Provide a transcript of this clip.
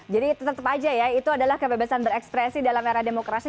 jadi tetap aja ya itu adalah kebebasan berekspresi dalam era demokrasi